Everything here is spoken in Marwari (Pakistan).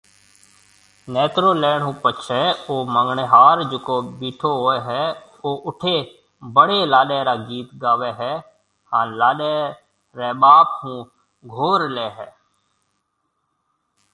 نيترو ليڻ ھونپڇي او منڱڻهار جڪو ٻيٺو هوئي او اُٺي ڀڙي لاڏي را گيت گاوي هي هان لاڏي ري ٻاپ ھونگھور لي هي